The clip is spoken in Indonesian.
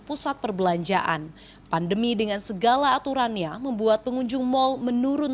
pusat perbelanjaan pandemi dengan segala aturannya membuat pengunjung mal menurun